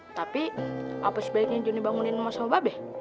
tapi apa sebaiknya joni bangunin rumah sama babi